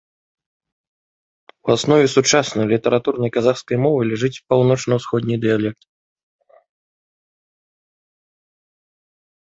У аснове сучаснай літаратурнай казахскай мовы ляжыць паўночна-ўсходні дыялект.